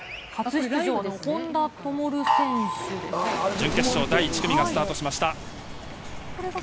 準決勝第１組がスタートしました。